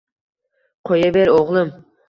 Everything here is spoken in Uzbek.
Qo‘yaver, o‘g‘lim.